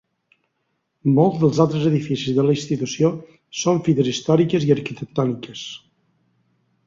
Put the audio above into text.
Molts dels altres edificis de la Institució són fites històriques i arquitectòniques.